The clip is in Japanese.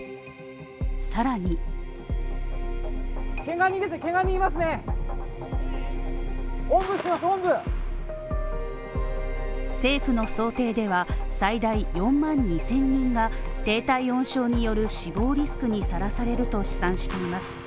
更に政府の想定では最大４万２０００人が低体温症による死亡リスクにさらされると試算しています。